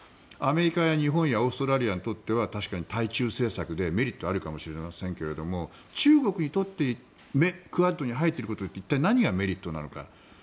アメリカや日本やオーストラリアにとっては確かに対中政策でメリットがあるかもしれませんがインドにとってクアッドに入っていることによって一体、何がメリットなのか。